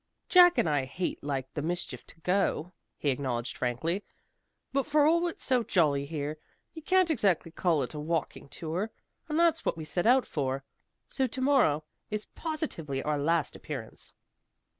"Jack and I hate like the mischief to go," he acknowledged frankly, "but for all it's so jolly here, you can't exactly call it a walking tour, and that's what we set out for. So to morrow is positively our last appearance."